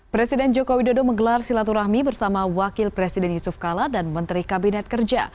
presiden joko widodo menggelar silaturahmi bersama wakil presiden yusuf kala dan menteri kabinet kerja